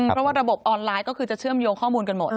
เพราะว่าระบบออนไลน์ก็คือจะเชื่อมโยงข้อมูลกันหมด